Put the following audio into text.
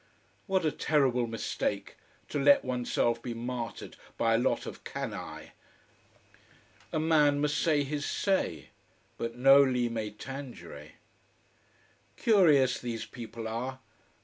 What a terrible mistake, to let oneself be martyred by a lot of canaille. A man must say his say. But noli me tangere. Curious these people are.